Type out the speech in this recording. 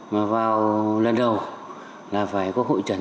mà vào lần đầu là phải có hội trần